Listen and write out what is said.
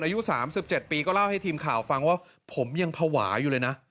อายุ๓๗ปีก็เล่าให้ทีมข่าวฟังว่าผมยังภาวะอยู่เลยนะ